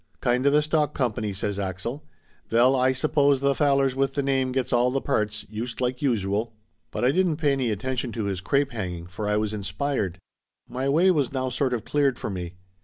"Kind of a stock company," says Axel. "Veil, Ay suppose tha fallars with the name gets all the parts, youst like usual!" But I didn't pay any attention to his crape hanging, for I was inspired. My way was now sort of cleared for me.